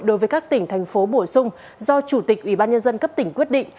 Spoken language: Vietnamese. đối với các tỉnh thành phố bổ sung do chủ tịch ủy ban nhân dân cấp tỉnh quyết định